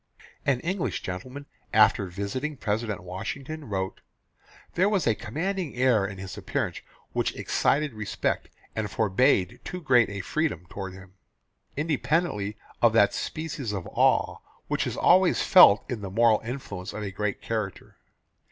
An English gentleman after visiting President Washington wrote, "There was a commanding air in his appearance which excited respect and forbade too great a freedom toward him, independently of that species of awe which is always felt in the moral influence of a great character.